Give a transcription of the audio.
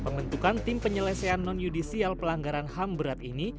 pembentukan tim penyelesaian non judisial pelanggaran ham berat ini